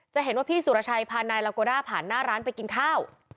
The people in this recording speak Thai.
จะเห็นว่าพี่สุรชัยพานายลาโกด้าผ่านหน้าร้านไปกินข้าว